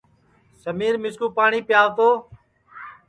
سمیرمِسکُو پاٹؔی پیو تو